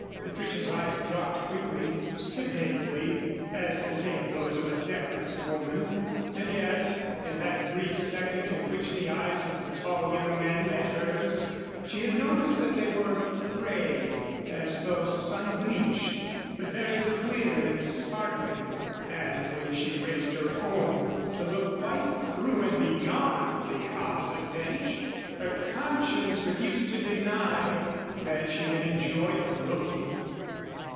Patricia's eyes dropped quickly sedately, as became those of a decorous woman, and yet in that brief second in which the eyes of the tall young man met hers, she had noticed that they were gray, as though sun bleached, but very clear and sparkling. And when she raised her own to look quite through and beyond the opposite bench, her conscience refused to deny that she had enjoyed the looking.